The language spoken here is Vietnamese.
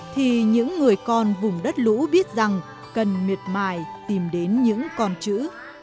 thì những người con vùng đất lũ biết rằng cần miệt mài tìm đến những con chữ